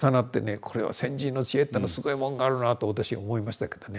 これは先人の知恵ってのはすごいもんがあるなと私思いましたけどね。